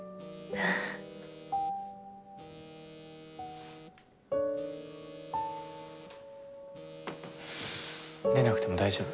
フフッ出なくても大丈夫。